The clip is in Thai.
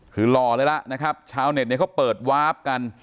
คือหล่อเลยล่ะนะครับชาวเน็ตเนี่ยเขาเปิดวาร์ฟกัน